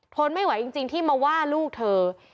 ทนไม่ไหวจริงที่มาว่าลูกเธอ